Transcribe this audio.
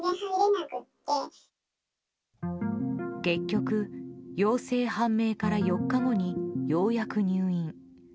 結局、陽性判明から４日後にようやく入院。